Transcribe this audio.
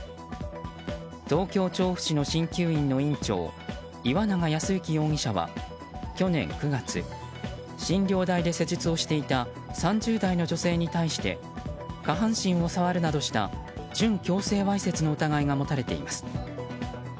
東京・調布市の鍼灸院の院長岩永康幸容疑者は去年９月診療台で施術をしていた３０代の女性に対して下半身を触るなどした準強制わいせつの疑いが持たれています。